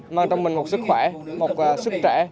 mang trong mình một sức khỏe một sức trẻ